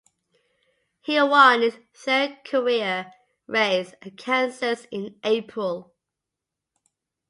He won his third career race at Kansas in April.